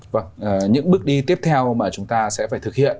vâng những bước đi tiếp theo mà chúng ta sẽ phải thực hiện